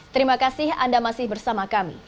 terima kasih anda masih bersama kami